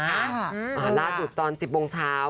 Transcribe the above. อาหารราชอยู่ตอน๑๐โมงเช้า